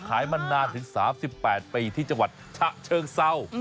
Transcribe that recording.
มานานถึง๓๘ปีที่จังหวัดฉะเชิงเศร้า